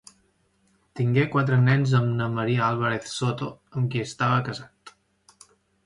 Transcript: Tingué quatre nens amb na María Álvarez Soto, amb qui estava casat.